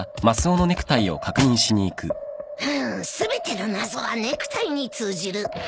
ふん全ての謎はネクタイに通じる。